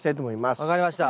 分かりました。